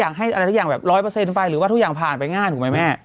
อะไรกับอย่างแบบร้อยเปอร์เซ้นไปหรือว่าทุกอย่างผ่านง่ายถูกไหมแม่